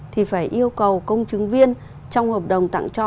thì phải yêu cầu công chứng viên trong hợp đồng tặng cho